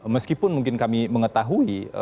meskipun mungkin kami mengetahui